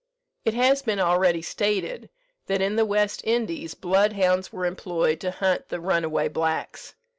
It has been already stated, that in the West Indies bloodhounds were employed to hunt the runaway blacks.